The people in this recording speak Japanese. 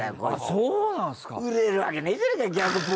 そうなんすか。